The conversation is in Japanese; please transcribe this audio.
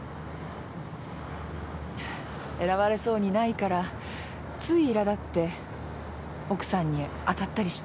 選ばれそうにないからついいらだって奥さんに当たったりした。